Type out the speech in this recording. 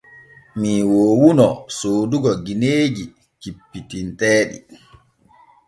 Mii woowuno soodugo gineeji cippitinteeɗi.